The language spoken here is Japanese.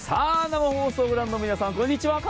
生放送をご覧の皆さんこんにちは。